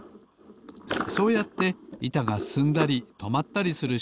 そうやっていたがすすんだりとまったりする